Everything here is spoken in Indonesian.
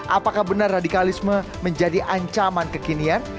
apakah benar radikalisme menjadi ancaman kekinian